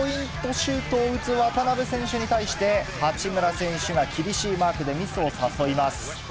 シュートを打つ渡邊選手に対して、八村選手が厳しいマークでミスを誘います。